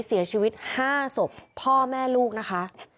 เสียชีวิต๕ศพพ่อแม่ลูกนะคะ